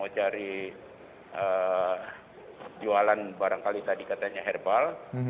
cari jualan barangkali tadi katanya herbal